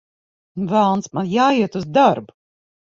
Velns, man jāiet uz darbu!